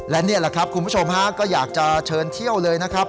และนี่แหละครับคุณผู้ชมฮะก็อยากจะเชิญเที่ยวเลยนะครับ